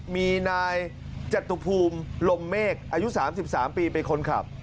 มีนายจตุภูมิลมเมฆอายุ๓๓ปีเป็นคนขับ